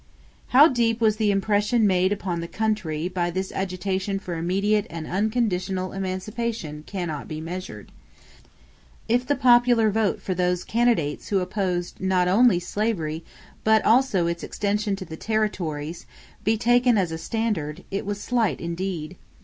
How deep was the impression made upon the country by this agitation for immediate and unconditional emancipation cannot be measured. If the popular vote for those candidates who opposed not slavery, but its extension to the territories, be taken as a standard, it was slight indeed.